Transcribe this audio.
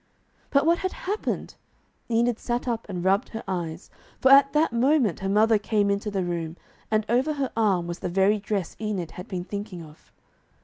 But what had happened? Enid sat up and rubbed her eyes. For at that moment her mother came into the room, and over her arm was the very dress Enid had been thinking of.